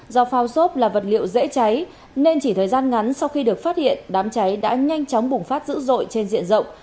do phao xốp là vật liệu dễ cháy nên chỉ thời gian ngắn sau khi được phát hiện đám cháy đã nhanh chóng bùng phát dữ dội trên diện rộng